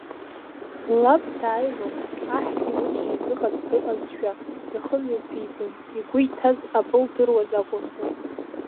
Лаб дааилон, аҳгьы уи дшизыҟац дыҟазшәа, ихы мҩаԥигон, игәы иҭаз абоудыруаз акәымзар.